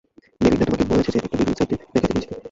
Melinda তোমাকে বলছে যে, একটা বিল্ডিং সাইটে দেখাতে নিয়ে যেতে।